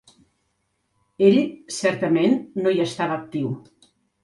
Ell, certament, no hi estava actiu.